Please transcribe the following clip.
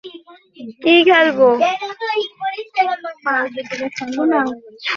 প্রকৃতির বিপর্যয় আখেরে অর্থনীতি ও মানুষের জীবনধারণ, দুটোকেই কঠিন করে তোলে।